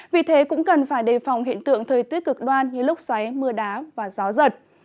vì thế cũng cần phải đề phòng hiện tượng thời tiết cực đoan như lúc xoáy mưa đá và gió giật